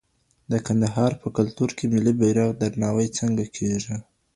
د کندهار په کلتور کي د ملي بیرغ درناوی څنګه کېږي؟